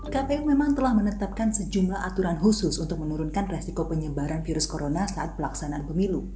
kpu memang telah menetapkan sejumlah aturan khusus untuk menurunkan resiko penyebaran virus corona saat pelaksanaan pemilu